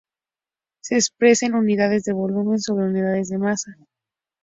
Se expresa en unidades de volumen sobre unidades de masa.